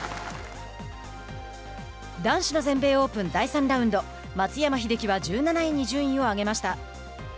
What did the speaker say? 男子の全米オープン第３ラウンド松山英樹は１７位に順位を上げました。